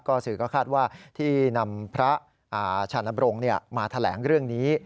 สื่อก็คาดว่าที่นำพระชานบรงค์มาแถลงเรื่องนี้